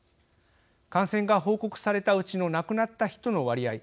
感染が報告されたうちの亡くなった人の割合